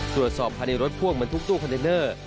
ตรวจสอบภายในรถพ่วงบรรทุกตู้คอนเทนเนอร์